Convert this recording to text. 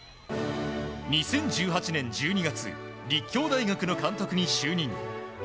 ２０１８年１２月立教大学の監督に就任。